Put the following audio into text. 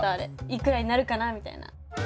いくらになるかなみたいな。